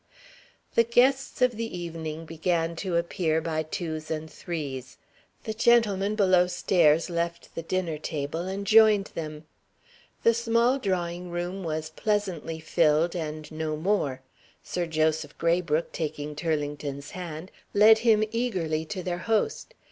The guests of the evening began to appear by twos and threes. The gentlemen below stairs left the dinner table, and joined them. The small drawing room was pleasantly filled, and no more. Sir Joseph Graybrooke, taking Turlington's hand, led him eagerly to their host.